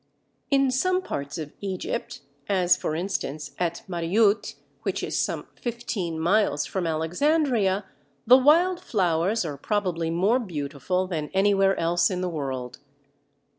In some parts of Egypt, as for instance at Mariout, which is some fifteen miles from Alexandria, the wild flowers are probably more beautiful than anywhere else in the world.